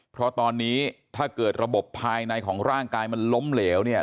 เพราะตอนนี้ถ้าเกิดระบบภายในของร่างกายมันล้มเหลวเนี่ย